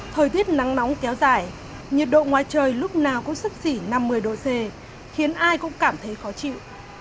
thời tiết nắng nóng kéo dài nhiệt độ ngoài trời lúc nào cũng sắp xỉ năm mươi độ c khiến ai cũng cảm thấy khó chịu